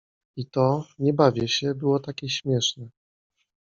I to: „nie bawię się” było takie śmieszne.